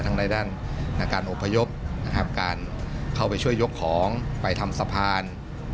ทั้งใดด้านการอพยพการเข้าไปช่วยยกของไปทำสะพาน